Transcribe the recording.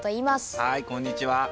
はいこんにちは。